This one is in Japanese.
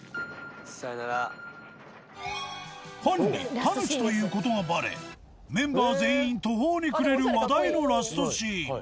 ファンにたぬきという事がバレメンバー全員途方に暮れる話題のラストシーン。